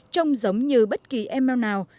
trông giống như bất kỳ email nào